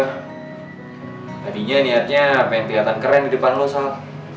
tadinya niatnya pengen keliatan keren di depan lo sal